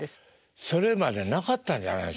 それまでなかったんじゃないですか？